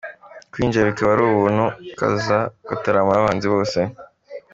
Kwinjira bikaba ari ubuntu, ukaza ugataramana n’aba bahanzi bose.